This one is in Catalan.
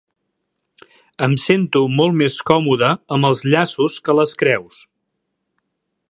Em sento molt més còmoda amb els llaços que les creus.